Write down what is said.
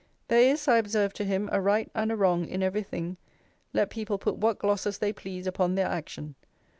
'There is, I observe to him, a right and a wrong in every thing, let people put what glosses they please upon their action.